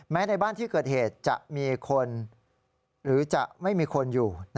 ในบ้านที่เกิดเหตุจะมีคนหรือจะไม่มีคนอยู่